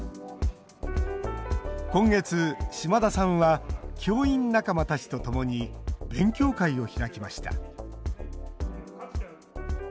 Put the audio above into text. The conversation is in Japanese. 今月、島田さんは教員仲間たちとともに勉強会を開きました。